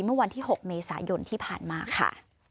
เมื่อวันที่๖เมษายนที่ผ่านมาค่ะ